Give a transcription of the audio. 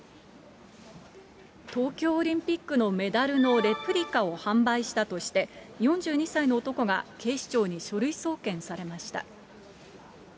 東京オリンピックのメダルのレプリカを販売したとして、４２歳の男が警視庁に書類送検されました。